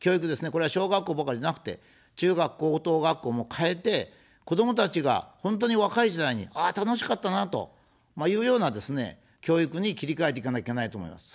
これは小学校ばかりじゃなくて、中学、高等学校も変えて、子どもたちが本当に若い時代に、ああ楽しかったなというようなですね、教育に切り替えていかなきゃいけないと思います。